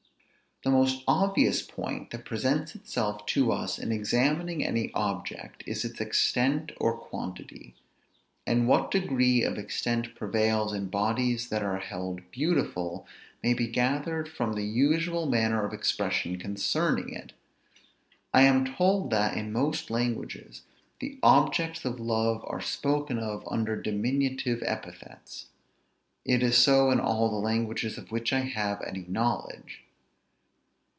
The most obvious point that presents itself to us in examining any object is its extent or quantity. And what degree of extent prevails in bodies that are held beautiful, may be gathered from the usual manner of expression concerning it. I am told that, in most languages, the objects of love are spoken of under diminutive epithets. It is so in all the languages of which I have any knowledge.